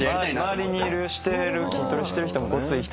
まわりにいる筋トレしてる人もごつい人。